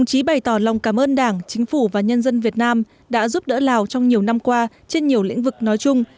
chính phủ và nhân dân việt nam đã giúp đỡ lào trong nhiều năm qua trên nhiều lĩnh vực nói chung